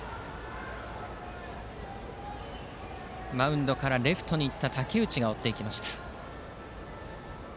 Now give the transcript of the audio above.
マウンドからレフトに行った武内が追っていきました。